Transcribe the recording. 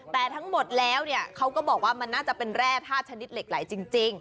แต่ทั้งหมดแล้วเนี่ยเขาก็บอกว่ามันน่าจะเป็นแร่ธาตุชนิดเหล็กไหลจริง